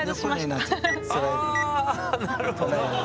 あなるほど。